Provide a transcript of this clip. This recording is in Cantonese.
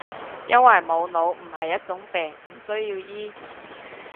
因為冇腦唔係一種病，唔需要醫